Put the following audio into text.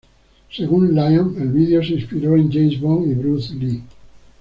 Según Liam el video se inspiró en James Bond y Bruce Lee.